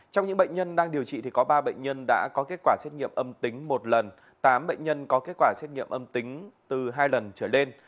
trong những bệnh nhân đang điều trị thì có ba bệnh nhân đã có kết quả xét nghiệm âm tính một lần tám bệnh nhân có kết quả xét nghiệm âm tính từ hai lần trở lên